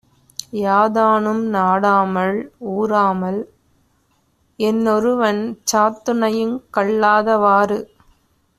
யாதானும் நாடாமால் ஊராமால் என்னொருவன் சாந்துணையுங் கல்லாதவாறு.